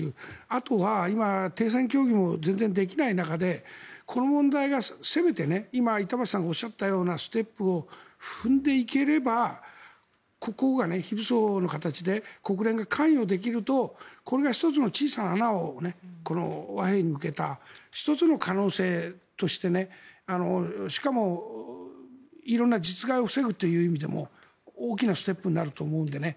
あとは今停戦協議も全然できない中でこの問題がせめて今、板橋さんがおっしゃったようなステップを踏んでいければここが非武装の形で国連が関与できるとこれが１つの小さな穴をこの和平に向けた１つの可能性としてしかも、色んな実害を防ぐという意味でも大きなステップになると思うのでね。